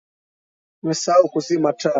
Nimesahau kuzima taa